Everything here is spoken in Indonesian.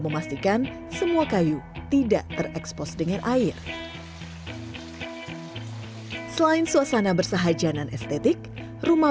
memastikan semua kayu tidak terekspos dengan air selain suasana bersahajanan estetik rumah